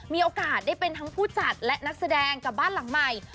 มีโอกาสได้เป็นทั้งผู้จัดและนักแสดงกับบ้านหลังใหม่